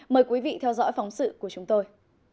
mời quý vị theo dõi phóng sự của chúng tôi